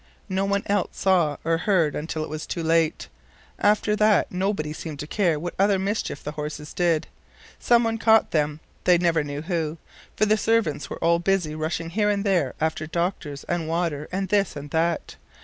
No one else saw or heard until it was too late. After that nobody seemed to care what other mischief the horses did. Someone caught them — they never knew who—for the servants were all busy rushing here and there after doctors and water and this and that.